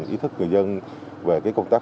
ý thức người dân về công tác